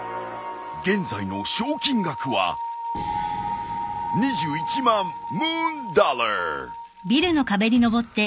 現在の賞金額は２１万ムーンダラー！